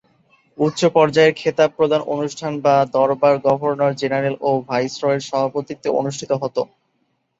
উচ্চ পর্যায়ের খেতাব প্রদান অনুষ্ঠান বা দরবার গভর্নর জেনারেল ও ভাইসরয়ের সভাপতিত্বে অনুষ্ঠিত হতো।